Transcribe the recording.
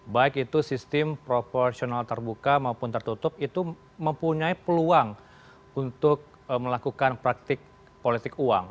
baik itu sistem proporsional terbuka maupun tertutup itu mempunyai peluang untuk melakukan praktik politik uang